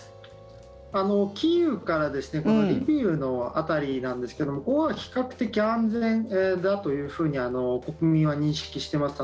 キーウからリビウの辺りなんですけどもここは比較的安全だというふうに国民は認識してます。